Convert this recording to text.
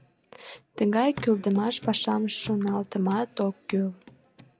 Тыгай кӱлдымаш пашам шоналтымат ок кӱл!